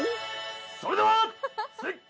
それでは。